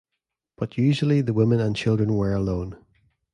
But usually the women and children were alone.